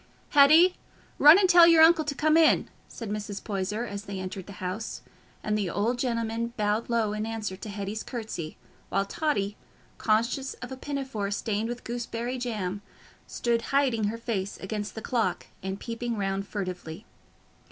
"Hetty, run and tell your uncle to come in," said Mrs. Poyser, as they entered the house, and the old gentleman bowed low in answer to Hetty's curtsy; while Totty, conscious of a pinafore stained with gooseberry jam, stood hiding her face against the clock and peeping round furtively.